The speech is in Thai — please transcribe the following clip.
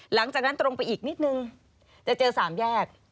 หลังจากนั้นตรงไปอีกนิดนึงจะเจอ๓แยก